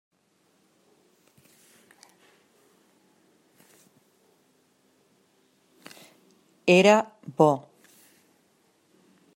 Era bo.